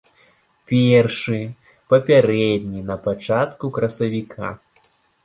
Першы, папярэдні, на пачатку красавіка.